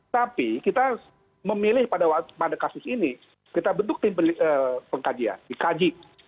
tapi kita memilih pada kasus ini kita bentuk tim pengkajian dikaji